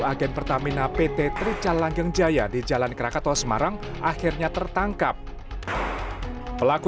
agen pertamina pt tri calanggeng jaya di jalan krakatoa semarang akhirnya tertangkap pelaku